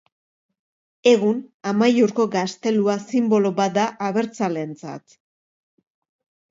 Egun, Amaiurko gaztelua sinbolo bat da abertzaleentzat.